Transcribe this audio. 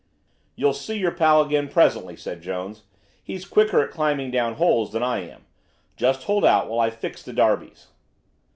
"You'll see your pal again presently," said Jones. "He's quicker at climbing down holes than I am. Just hold out while I fix the derbies."